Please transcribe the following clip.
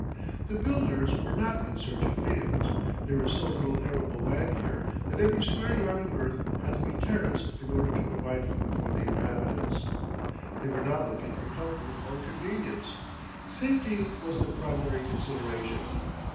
The builders were not in search of fields. There is so little arable land here that every square yard of earth had to be terraced in order to provide food for the inhabitants. They were not looking for comfort or convenience. Safety was their primary consideration.